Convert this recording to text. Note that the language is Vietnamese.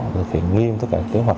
thực hiện nghiêm tất cả kế hoạch